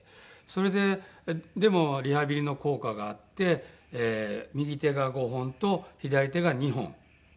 それででもリハビリの効果があって右手が５本と左手が２本が動くようになって。